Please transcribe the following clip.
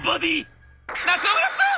「中村さん！」。